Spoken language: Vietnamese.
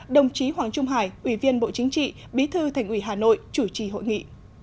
đồng chí hoàng trung hải ủy viên bộ chính trị bí thư thành ủy hà nội chủ trì hội nghị